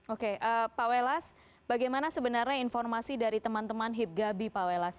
oke pak welas bagaimana sebenarnya informasi dari teman teman hipgabi pak welas